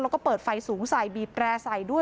แล้วก็เปิดไฟสูงใส่บีบแร่ใส่ด้วย